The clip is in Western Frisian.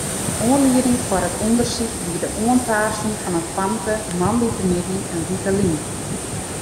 Oanlieding foar it ûndersyk wie de oantaasting fan in famke moandeitemiddei in wike lyn.